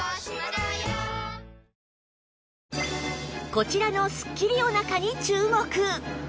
こちらのスッキリお腹に注目！